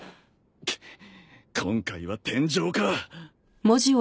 くっ今回は天井か。